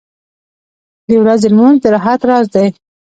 • د ورځې لمونځ د راحت راز دی.